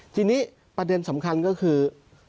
ทีนี้ประเด็นสำคัญก็คือ